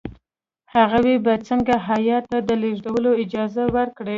هغوی به څنګه هیات ته د تېرېدلو اجازه ورکړي.